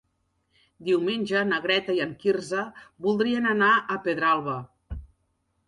Diumenge na Greta i en Quirze voldrien anar a Pedralba.